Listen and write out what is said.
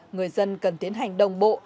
người dân cần tiến hành đồng bộ